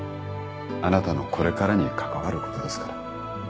あなたのこれからに関わることですから。